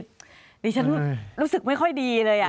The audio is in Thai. ดิฉันรู้สึกไม่ค่อยดีเลย